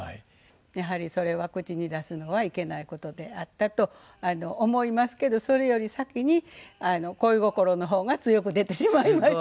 やはりそれは口に出すのはいけない事であったと思いますけどそれより先に恋心の方が強く出てしまいましたんです。